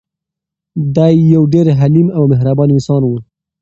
دی یو ډېر حلیم او مهربان انسان و.